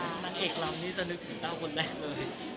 ในแจกหลำนี่จะนึกถึงเต้าคนแรกตัวเลย